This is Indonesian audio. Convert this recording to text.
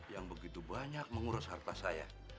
yang begitu banyak mengurus harta saya